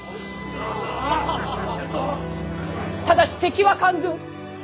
ただし敵は官軍。